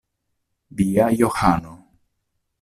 Via Johano.